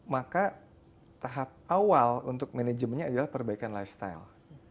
maka tahap awal untuk manajemennya adalah perbaikan lifestyle